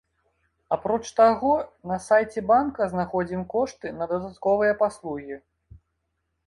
Апроч таго, на сайце банка знаходзім кошты на дадатковыя паслугі.